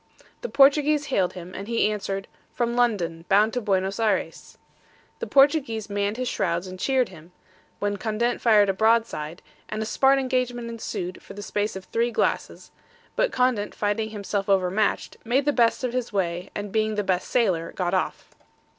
The Portuguese hailed him, and he answered, from London, bound to Buenos Ayres. The Portuguese manned his shrouds and cheered him, when Condent fired a broadside, and a smart engagement ensued for the space of three glasses; but Condent finding himself over matched, made the best of his way, and being the best sailer, got off.